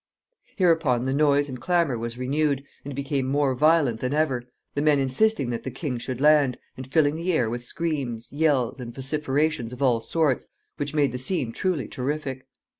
Hereupon the noise and clamor was renewed, and became more violent than ever, the men insisting that the king should land, and filling the air with screams, yells, and vociferations of all sorts, which made the scene truly terrific.